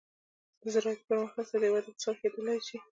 د زراعتي پرمختګ سره د هیواد اقتصاد ښه کیدلی شي.